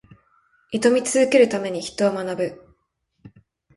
挑み続けるために、人は学ぶ。